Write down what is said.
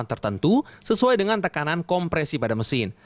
pihak pabrikan merekomendasi agar memakai bbm dengan kadar oktal